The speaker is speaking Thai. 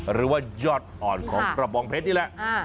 หรือว่ายอดอ่อนของกระบองเพชรนี่แหละ